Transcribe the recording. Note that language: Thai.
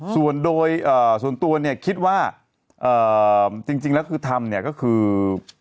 ส่วนตัวเนี่ยคิดว่าเอ่อจริงแล้วคือทำเนี่ยก็คือ